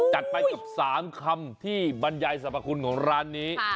จัดไปกับ๓คำที่บรรยายสรรพคุณของร้านนี้